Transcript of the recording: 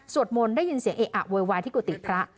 มนต์ได้ยินเสียงเอะอะโวยวายที่กุฏิพระ